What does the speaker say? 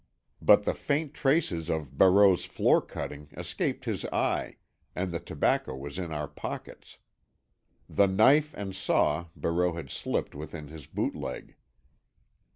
But the faint traces of Barreau's floor cutting escaped his eye, and the tobacco was in our pockets. The knife and saw Barreau had slipped within his boot leg.